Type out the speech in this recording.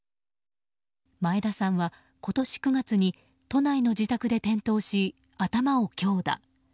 前田さんは今年９月に都内の自宅で転倒し頭を強打。